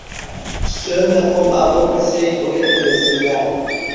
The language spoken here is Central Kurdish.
سوێند دەخۆم ئە بەو کەسەی بۆ ئێمە لە زیندانە